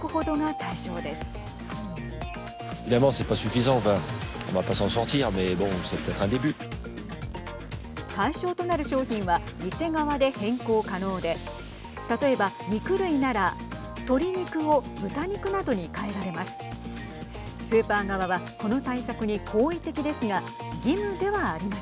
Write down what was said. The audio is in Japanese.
対象となる商品は店側で変更可能で例えば肉類なら鶏肉を豚肉などに変えられます。